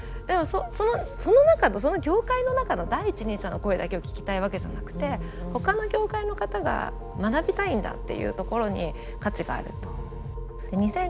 でもその中のその業界の中の第一人者の声だけを聞きたいわけじゃなくてほかの業界の方が学びたいんだっていうところに価値があると。